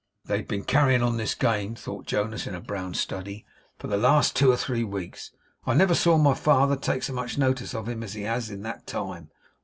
'They've been carrying on this game,' thought Jonas in a brown study, 'for the last two or three weeks. I never saw my father take so much notice of him as he has in that time.